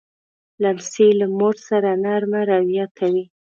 لمسی له مور سره نرمه رویه کوي.